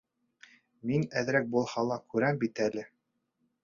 — Мин әҙерәк булһа ла күрәм бит әле.